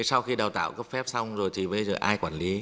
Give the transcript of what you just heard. sau khi đào tạo cấp phép xong rồi thì bây giờ ai quản lý